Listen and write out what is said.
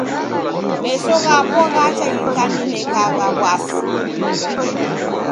Meso ghapo ghacha ghikaninekagha w'asi.